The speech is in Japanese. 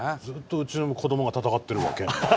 ずっとうちの子どもが戦ってるわ剣で。